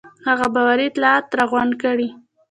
هغه باوري اطلاعات راغونډ کړي.